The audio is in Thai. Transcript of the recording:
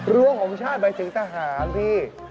รั้วของชาติหมายถึงทหารพี่